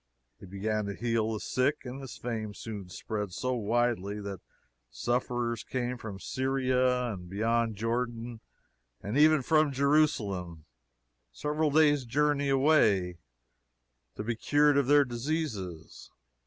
He began to heal the sick, and his fame soon spread so widely that sufferers came from Syria and beyond Jordan, and even from Jerusalem, several days' journey away, to be cured of their diseases.